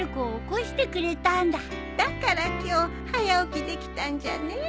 だから今日早起きできたんじゃね。